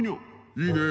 「いいねえ。